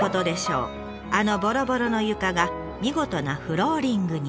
あのぼろぼろの床が見事なフローリングに。